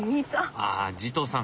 あ慈瞳さん